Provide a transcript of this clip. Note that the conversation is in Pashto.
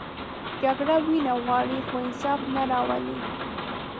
جګړه وینه غواړي، خو انصاف نه راولي